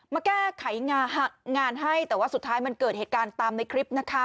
มาแก้ไขงานให้แต่ว่าสุดท้ายมันเกิดเหตุการณ์ตามในคลิปนะคะ